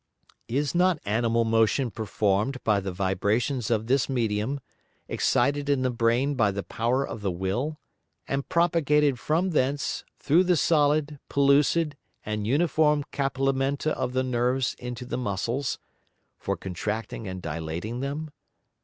Is not Animal Motion perform'd by the Vibrations of this Medium, excited in the Brain by the power of the Will, and propagated from thence through the solid, pellucid and uniform Capillamenta of the Nerves into the Muscles, for contracting and dilating them?